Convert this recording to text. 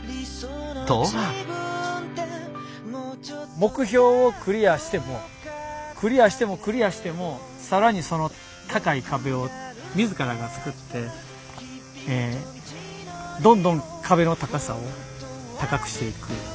目標をクリアしてもクリアしてもクリアしても更にその高い壁を自らが作ってどんどん壁の高さを高くしていく。